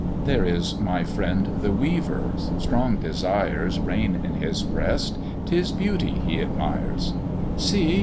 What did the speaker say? There is my friend the Weaver: strong desires Reign in his breast; 'tis beauty he admires: See!